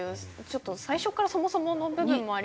ちょっと最初からそもそもの部分もありますし。